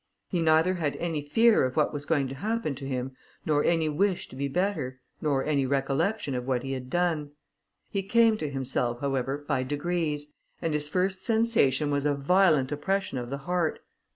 He had neither any fear of what was going to happen to him, nor any wish to be better, nor any recollection of what he had done. He came to himself, however, by degrees, and his first sensation was a violent oppression of the heart.